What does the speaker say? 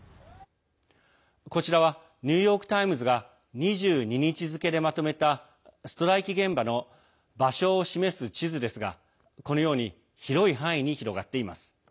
こちらはニューヨーク・タイムズが２２日付でまとめたストライキ現場の場所を示す地図ですがこのように広い範囲に広がっています。